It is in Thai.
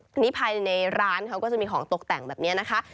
ทีนี้ภายในร้านเขาก็จะมีของตกแต่งแบบนี้นะคะ